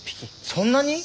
そんなに。